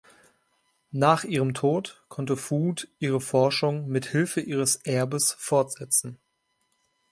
Nach ihrem Tod konnte Food ihre Forschung mit Hilfe ihres Erbes fortsetzen.